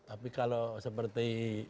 tapi kalau seperti